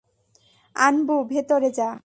আনবু, ভেতরে যা।